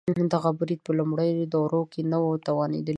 دغه برید په لومړنیو دورو کې نه و توانېدلی.